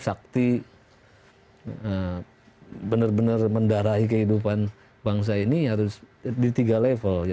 sakti benar benar mendarahi kehidupan bangsa ini harus di tiga level